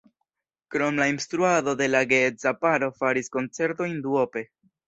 Krom la instruado la geedza paro faris koncertojn duope.